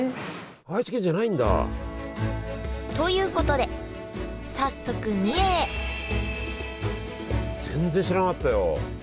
愛知県じゃないんだ！ということで早速全然知らなかったよ。